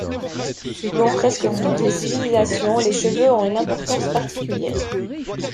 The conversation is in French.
Dans presque toutes les civilisations les cheveux ont une importance particulière.